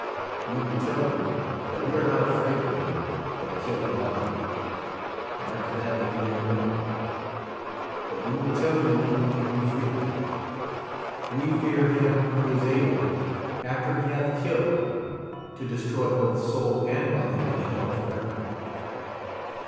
AVc will tell you that we are not afraid of them that kill the body, and after that can do no more ; but we will tell you whom we do fear. We fear Him who is able, after he hath killed, to destroy both soul and body in hell forever.